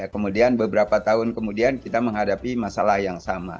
kemudian beberapa tahun kemudian kita menghadapi masalah yang sama